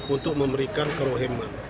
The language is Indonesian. untuk memberikan kerohimen